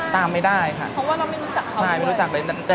ตามไม่ได้ค่ะ